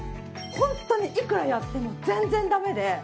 ホントにいくらやっても全然ダメで。